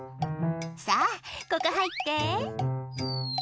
「さぁここ入って」